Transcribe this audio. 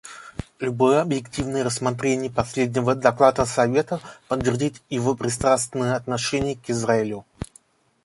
Любое объективное рассмотрение последнего доклада Совета подтвердит его пристрастное отношение к Израилю.